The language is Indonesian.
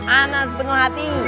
anak sepenuh hati